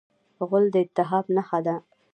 غول د التهاب نښه ده.